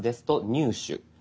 「入手」。